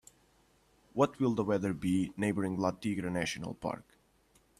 What will the weather be neighboring La Tigra National Park?